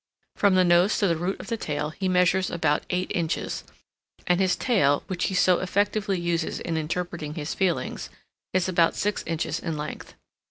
From the nose to the root of the tail he measures about eight inches; and his tail, which he so effectively uses in interpreting his feelings, is about six inches in length.